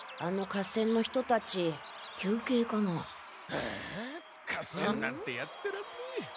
ああ合戦なんてやってらんねえ。